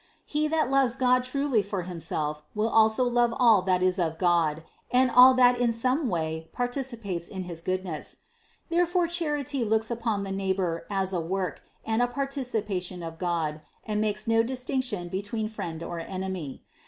He that loves God truly for Himself will also love all that is of God and all that in some way partici pates in his goodness. Therefore charity looks upon the neighbor as a work and a participation of God and makes no distinction between friend or enemy.